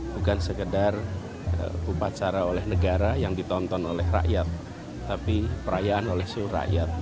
bukan sekedar upacara oleh negara yang ditonton oleh rakyat tapi perayaan oleh seluruh rakyat